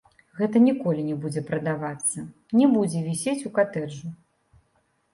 Гэта ніколі не будзе прадавацца, не будзе вісець у катэджу.